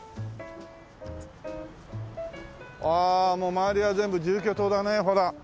ああもう周りは全部住居棟だねほら。